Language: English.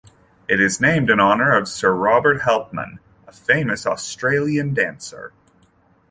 It is named in honour of Sir Robert Helpmann, a famous Australian dancer.